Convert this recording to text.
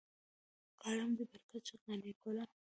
د قلم دې برکت شه قانع ګله.